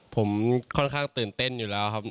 ผมค่อนข้างตื่นเต้นอยู่แล้วครับ